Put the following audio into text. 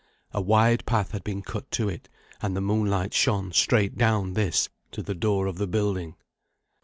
A wide path had been cut to it, and the moonlight shone straight down this to the door of the building.